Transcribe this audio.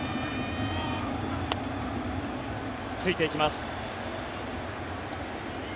ついていきます。